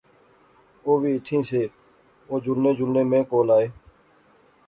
اووی ایتھیں سے، او جلنے جلنے میں کول آئے